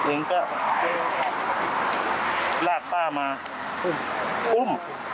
เอ็งก็ลาดป้ามาอุ้ม